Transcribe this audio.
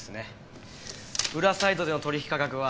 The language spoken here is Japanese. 裏サイトでの取引価格は最安値がえ。